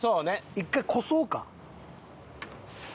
１回こそうか。